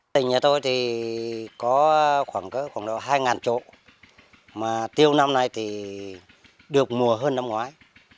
tình nhà tôi thì có khoảng hai chỗ mà tiêu năm nay thì được mùa hơn năm ngoái